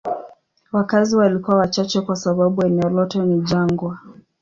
Wakazi walikuwa wachache kwa sababu eneo lote ni jangwa.